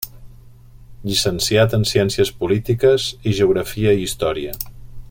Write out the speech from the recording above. Llicenciat en Ciències Polítiques i Geografia i Història.